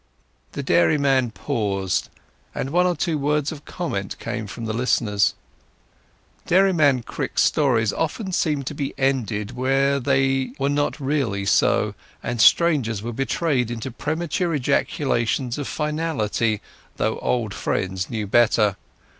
The dairyman paused, and one or two words of comment came from the listeners. Dairyman Crick's stories often seemed to be ended when they were not really so, and strangers were betrayed into premature interjections of finality; though old friends knew better.